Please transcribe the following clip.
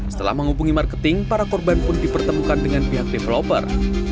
setelah menghubungi marketing para korban pun dipertemukan dengan pihak developer